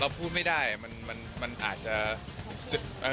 เราพูดไม่ได้มันหามันอาจจะ